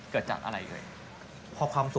เกิดจากอะไรอีกเลย